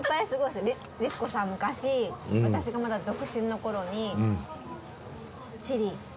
律子さん昔私がまだ独身の頃に千里。